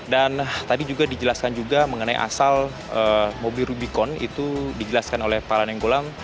tadi juga dijelaskan juga mengenai asal mobil rubicon itu dijelaskan oleh pak lanenggolang